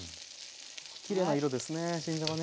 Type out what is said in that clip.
きれいな色ですね新じゃがね。